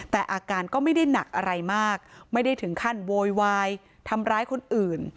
แต่อาการก็ไม่ได้หนักอะไรมากไม่ได้ถึงขั้นโวยวายทำร้ายคนอื่น